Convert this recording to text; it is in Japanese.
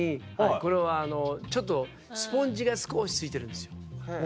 これはちょっとスポンジが少し付いてるんです。